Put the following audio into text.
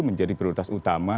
menjadi prioritas utama